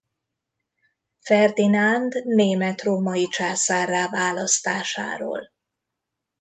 Ferdinánd német-római császárrá választásáról.